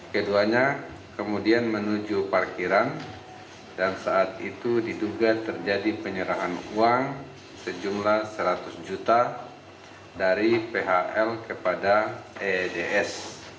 keduanya kemudian menuju parkiran dan saat itu diduga terjadi penyerahan uang sejumlah seratus juta dari phl kepada eds